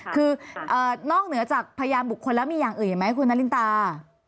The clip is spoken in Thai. คือนอกเหนือจากพยานบุคคลแล้วมีอย่างอื่นอีกไหมคุณนารินตา